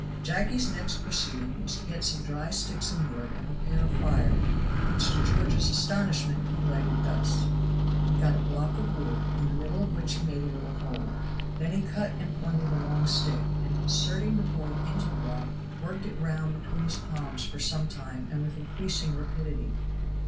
Jacky's next proceeding was to get some dry sticks and wood, and prepare a fire, which to George's astonishment he lighted thus. He got a block of wood, in the middle of which he made a little hole; then he cut and pointed a long stick, and inserting the point into the block, worked it round between his palms for some time and with increasing rapidity.